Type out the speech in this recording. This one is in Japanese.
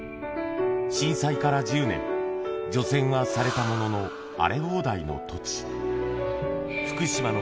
震災から１０年、除染はされたものの、荒れ放題の土地。